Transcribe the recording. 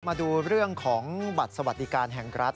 มาดูเรื่องของบัตรสวัสดิการแห่งรัฐ